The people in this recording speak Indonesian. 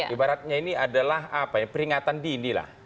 ibaratnya ini adalah peringatan dini lah